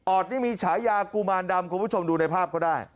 อดนี่มีฉายากุมารดำคุณผู้ชมดูในภาพก็ได้